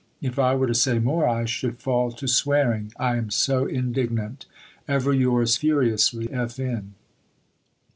If I were to say more, I should fall to swearing, I am so indignant. Ever yours furiously, F. N.